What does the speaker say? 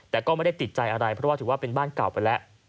แต่ก็ไม่ได้ติดใจอะไรเพราะว่าถือว่าเป็นบ้านเก่าไปแล้ว